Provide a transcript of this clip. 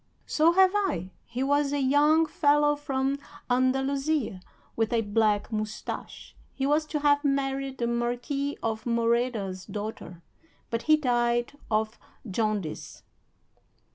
"So have I. He was a young fellow from Andalusia, with a black moustache; he was to have married the Marquis of Moreda's daughter, but he died of jaundice."